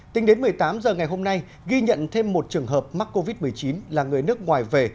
tính đến một mươi tám h ngày hôm nay ghi nhận thêm một trường hợp mắc covid một mươi chín là người nước ngoài về